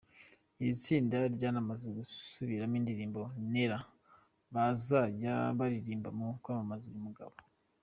Iri tsinda ryanamaze gusubiramo indirimbo ‘Neera’ bazajya baririmba mu kwamamaza uyu mugabo.